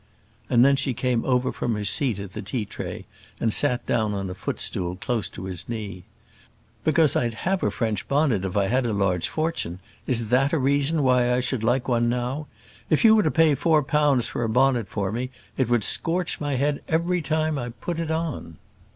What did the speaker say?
And then she came over from her seat at the tea tray and sat down on a foot stool close at his knee. "Because I'd have a French bonnet if I had a large fortune, is that a reason why I should like one now? if you were to pay four pounds for a bonnet for me, it would scorch my head every time I put it on."